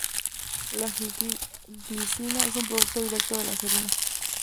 La glicina es un producto directo de la serina.